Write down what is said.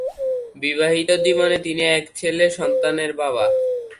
বিবাহিত জীবনে তিনি এক ছেলে সন্তানের বাবা।